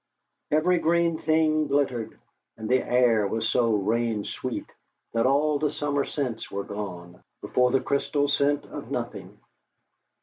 Every green thing glittered, and the air was so rain sweet that all the summer scents were gone, before the crystal scent of nothing.